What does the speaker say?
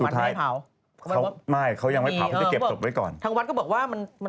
ถังวัตรไม่ให้เผา